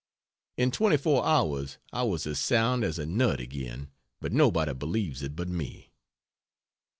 In 24 hours I was as sound as a nut again, but nobody believes it but me.